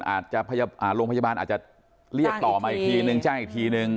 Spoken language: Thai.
อาจจะโรงพยาบาลอาจจะเรียกต่อมาอีกทีหนึ่งจ้างอีกทีหนึ่ง